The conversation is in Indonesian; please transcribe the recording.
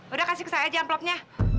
udah kasih kesan aja amplopnya